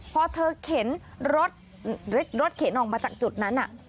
พอเธอเข็นรถเข็นออกมาจากจุดนั้น